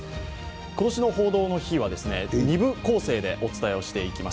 今年の「報道の日」は２部構成でお伝えしてまいります。